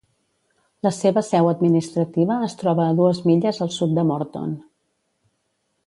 La seva seu administrativa es troba a dues milles al sud de Morton.